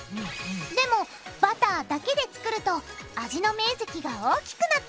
でもバターだけで作ると味の面積が大きくなった。